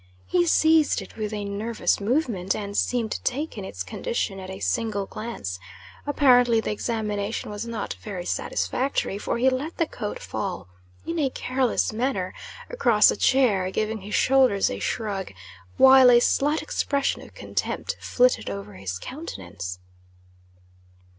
He seized it with a nervous movement, and seemed to take in its condition at a single glance. Apparently, the examination was not very satisfactory, for he let the coat fall, in a careless manner, across a chair, giving his shoulders a shrug, while a slight expression of contempt flitted over his countenance.